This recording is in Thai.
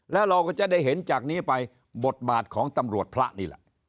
แล้วเราก็จะได้เห็นจากนี้ไปบทบาทของตำรวจพระนี่แหละ